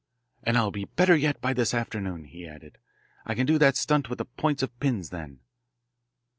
"And I'll be better yet by this afternoon," he added. "I can do that stunt with the points of pins then."